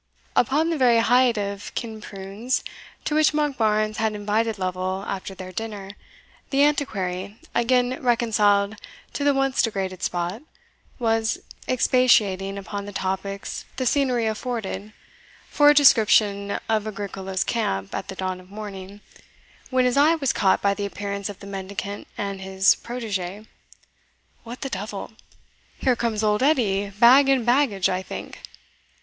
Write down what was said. Upon the very height of Kinprunes, to which Monkbarns had invited Lovel after their dinner, the Antiquary, again reconciled to the once degraded spot, was expatiating upon the topics the scenery afforded for a description of Agricola's camp at the dawn of morning, when his eye was caught by the appearance of the mendicant and his protegee. "What the devil! here comes Old Edie, bag and baggage, I think."